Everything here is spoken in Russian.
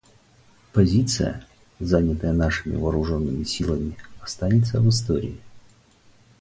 Позиция, занятая нашими вооруженными силами, останется в истории.